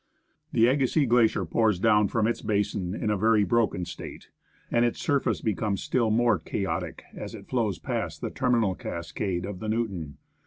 The Agassiz Glacier pours down from its basin in a very broken state, and its surface becomes still more chaotic as it flows past the terminal cascade of the Newton.